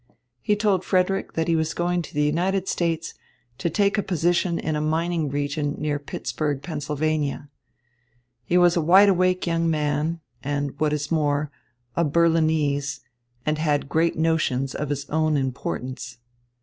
He told Frederick he was going to the United States to take a position in a mining region near Pittsburgh, Pennsylvania. He was a wide awake young man and, what is more, a Berlinese, and had great notions of his own importance.